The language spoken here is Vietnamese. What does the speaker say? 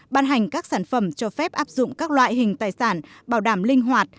ban hành các sản phẩm cho phép áp dụng các loại hình tài sản bảo đảm linh hoạt